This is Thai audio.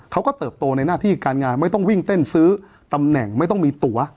เติบโตในหน้าที่การงานไม่ต้องวิ่งเต้นซื้อตำแหน่งไม่ต้องมีตัว